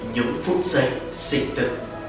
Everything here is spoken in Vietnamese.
một phút giây sinh tử